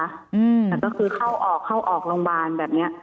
แต่ก็คือเข้าออกโรงพยาบาลแบบนี้